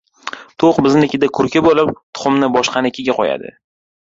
• Tovuq biznikida kurka bo‘lib, tuxumni boshqanikiga qo‘yadi.